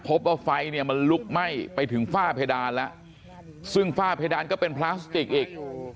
พบว่าไฟเนี่ยมันลุกไหม้ไปถึงฝ้าเพดานแล้วซึ่งฝ้าเพดานก็เป็นพลาสติกอีก